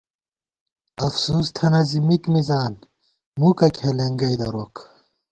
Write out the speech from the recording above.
افُسوس تھنہ زِی مِک مِزان ، مُکہ کھېلېنگَئ دروک